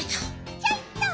ちょいと。